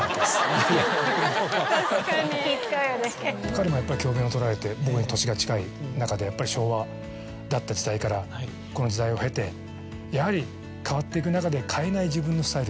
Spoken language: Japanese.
彼もやっぱり教鞭を執られて僕に年が近い中でやっぱり昭和だった時代からこの時代を経てやはり変わっていく中で。